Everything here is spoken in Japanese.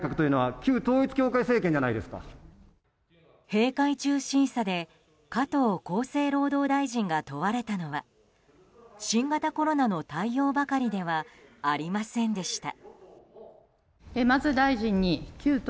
閉会中審査で加藤厚生労働大臣が問われたのは新型コロナの対応ばかりではありませんでした。